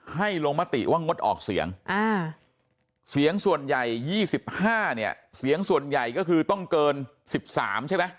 ลงมติว่างดออกเสียงเสียงส่วนใหญ่๒๕เนี่ยเสียงส่วนใหญ่ก็คือต้องเกิน๑๓ใช่ไหม